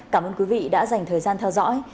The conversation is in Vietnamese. cảm ơn quý vị đã dành thời gian theo dõi